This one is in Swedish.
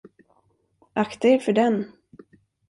Akta er för den!